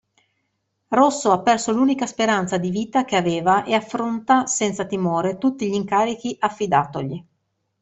Rosso ha perso l'unica speranza di vita che aveva e affronta senza timore tutti gli incarichi affidatogli.